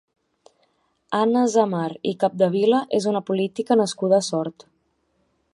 Anna Azamar i Capdevila és una política nascuda a Sort.